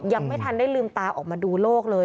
ยังไม่ทันได้ลืมตาออกมาดูโลกเลย